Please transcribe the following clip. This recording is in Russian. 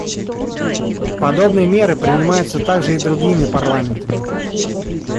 Подобные меры принимаются также и другими парламентами.